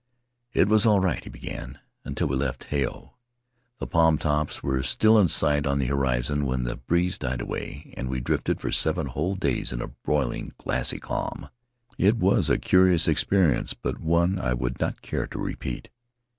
"It was all right," he began, "until we left Hao. The palm tops were still in sight on the horizon when the breeze died away, and we drifted for seven whole days in a broiling, glassy calm. It was a curious experience, but one I would not care to repeat.